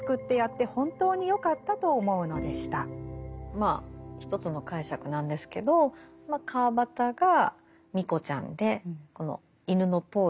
まあ一つの解釈なんですけど川端がミコちゃんでこの犬のポールが北條。